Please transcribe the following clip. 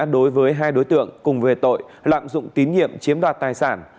đối với hai đối tượng cùng về tội lạm dụng tín nhiệm chiếm đoạt tài sản